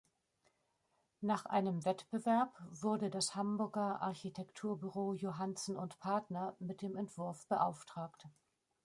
Nach einem Wettbewerb wurde das Hamburger Architekturbüro Johannsen und Partner mit dem Entwurf beauftragt.